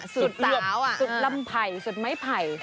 สุดเลือบสุดลำไผ่สุดไม้ไผ่